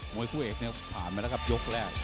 โมยคู่เอ๋คเนี่ยฝันแล้วกับยกแรก